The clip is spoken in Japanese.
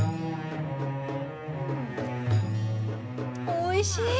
おいしい！